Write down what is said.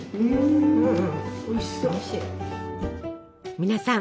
皆さん